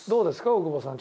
大久保さん